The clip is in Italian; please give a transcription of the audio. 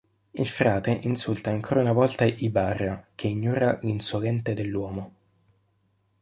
Il frate insulta ancora una volta Ibarra, che ignora l'insolente dell'uomo.